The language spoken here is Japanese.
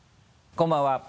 こんばんは。